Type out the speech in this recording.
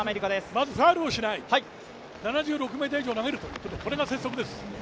まずファウルをしない、７６ｍ以上投げる、これが鉄則です。